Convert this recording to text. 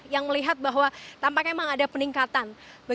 yang melihat bahwa tampaknya memang ada peningkatan